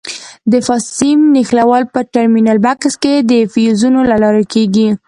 د فاز سیم نښلول په ټرمینل بکس کې د فیوزونو له لارې کېږي.